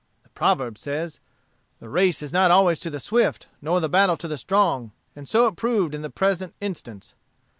The proverb says, 'The race is not always to the swift, nor the battle to the strong,' and so it proved in the present instance.